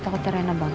takutnya rena bangun